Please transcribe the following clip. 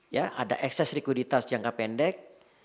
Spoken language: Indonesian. ya ada ekses likuiditas jangka pendek